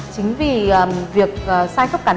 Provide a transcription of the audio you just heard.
chính vì việc sai khớp cắn